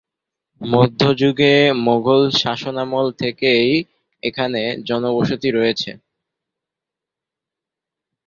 মধ্যযুগে মোগল শাসনামল থেকেই এখানে জনবসতি রয়েছে।